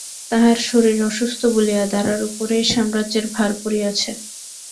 তাঁহার শরীর অসুস্থ বলিয়া দারার উপরেই সাম্রাজ্যের ভার পড়িয়াছে।